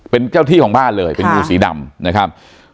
เป็นเจ้าที่ของบ้านเลยเป็นงูสีดำนะครับ